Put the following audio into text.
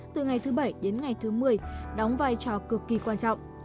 từ ngày thứ bảy đến ngày thứ một mươi đóng vai trò cực kỳ quan trọng